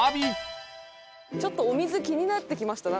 ちょっとお水気になってきましたなんか。